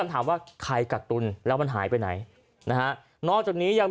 ๗๕๐บาทมาใช้เอง